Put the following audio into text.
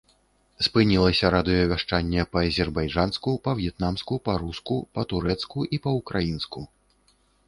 Спынілася радыёвяшчанне па-азербайджанску, па-в'етнамску, па-руску, па-турэцку і па-ўкраінску.